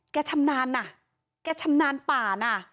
ชำนาญน่ะแกชำนาญป่าน่ะ